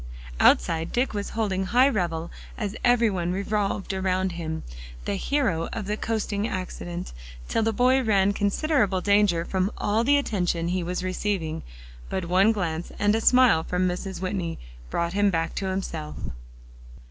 Outside, Dick was holding high revel as every one revolved around him, the hero of the coasting accident, till the boy ran considerable danger from all the attention he was receiving. But one glance and a smile from Mrs. Whitney brought him back to himself.